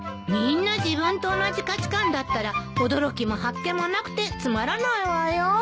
みんな自分と同じ価値観だったら驚きも発見もなくてつまらないわよ。